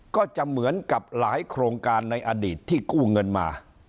ก็จะเหมือนกับหลายโครงการในอดีตที่กู้เงินมา